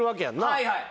はいはい。